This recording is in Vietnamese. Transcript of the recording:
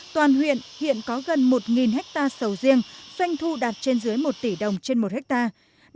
toàn huyện hiện có gần một hectare sầu riêng doanh thu đạt trên dưới một tỷ đồng trên một hectare